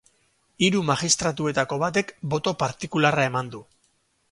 Hiru magistratuetako batek boto partikularra eman du.